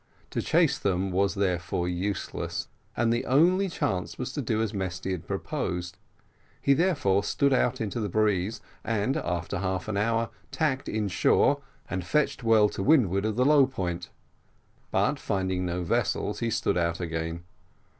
To chase them was therefore useless; and the only chance was to do as Mesty had proposed. He therefore stood out into the breeze, and, after half an hour, tacked in shore, and fetched well to windward of the low point; but finding no vessels, he stood out again.